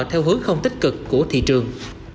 theo hướng không tích cực của thị trường